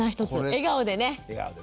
笑顔です。